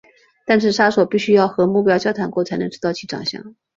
但是杀手必须要和目标交谈过才能知道其长相。